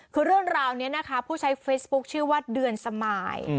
คือเรื่องราวนี้นะคะผู้ใช้เฟซบุ๊คชื่อว่าเดือนสมาย